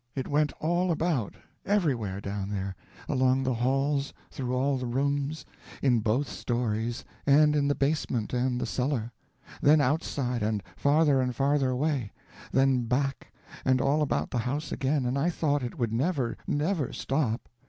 It went all about, everywhere, down there: along the halls, through all the rooms, in both stories, and in the basement and the cellar; then outside, and farther and farther away then back, and all about the house again, and I thought it would never, never stop.